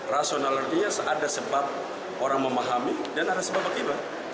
rasional artinya ada sebab orang memahami dan ada sebab akibat